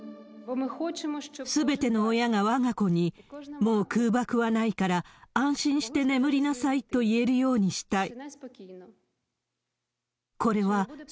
すべての親がわが子に、もう空爆はないから、安心して眠りなさいと言えるようにしたい。